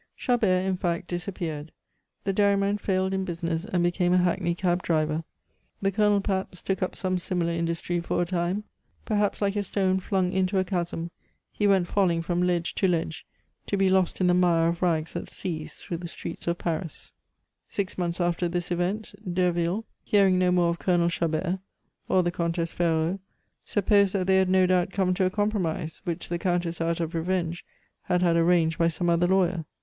Chabert, in fact, disappeared. The dairyman failed in business, and became a hackney cab driver. The Colonel, perhaps, took up some similar industry for a time. Perhaps, like a stone flung into a chasm, he went falling from ledge to ledge, to be lost in the mire of rags that seethes through the streets of Paris. Six months after this event, Derville, hearing no more of Colonel Chabert or the Comtesse Ferraud, supposed that they had no doubt come to a compromise, which the Countess, out of revenge, had had arranged by some other lawyer.